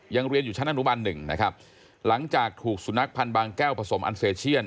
เรียนอยู่ชั้นอนุบันหนึ่งนะครับหลังจากถูกสุนัขพันธ์บางแก้วผสมอันเซเชียน